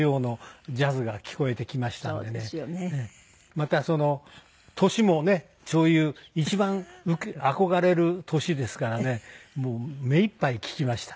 また年もねそういう一番憧れる年ですからねもう目一杯聴きました。